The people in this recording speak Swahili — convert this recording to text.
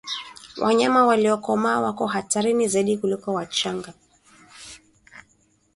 Wanyama waliokomaa wako hatarini zaidi kuliko wachanga